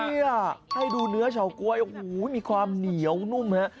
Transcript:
นี่อ่ะให้ดูเนื้อเฉาก๊วยมีความเหนียวนุ่มฮะ